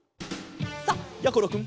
さあやころくん